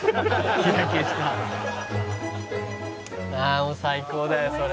「ああもう最高だよそれ」